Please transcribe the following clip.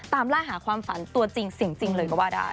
ตามล่าหาความฝันตัวจริงสิ่งจริงเลยก็ว่าได้